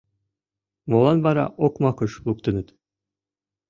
Молан вара окмакыш луктыныт?..